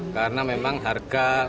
karena memang harga